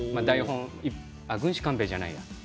あ、「軍師官兵衛」じゃない？